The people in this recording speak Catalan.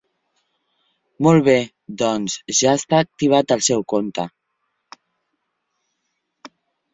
Molt bé, doncs ja ha estat activat el seu compte.